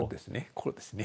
こうですね。